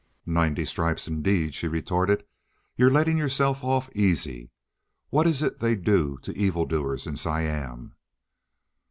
"Ninety stripes, indeed!" she retorted. "You're letting yourself off easy. What is it they do to evil doers in Siam?"